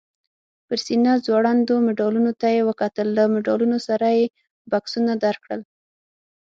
پر سینه ځوړندو مډالونو ته یې وکتل، له مډالونو سره یې بکسونه درکړل؟